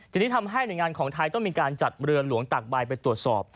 ทีนี้ทำให้หน่วยงานของไทยต้องมีการจัดเรือหลวงตากใบไปตรวจสอบ